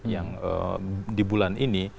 yang di bulan ini